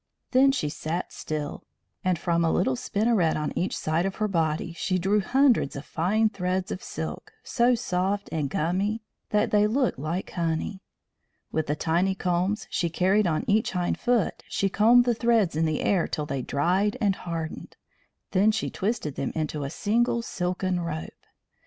Then she sat still, and from a little spinneret on each side of her body she drew hundreds of fine threads of silk, so soft and gummy that they looked like honey. With the tiny combs she carried on each hind foot she combed the threads in the air till they dried and hardened; then she twisted them into a single silken rope.